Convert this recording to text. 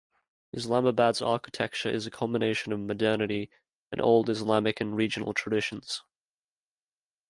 Islamabad's architecture is a combination of modernity and old Islamic and regional traditions.